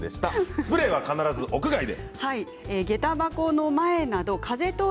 スプレーは必ず屋外で。